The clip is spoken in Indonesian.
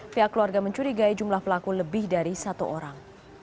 pihak keluarga mencurigai jumlah pelaku lebih dari satu orang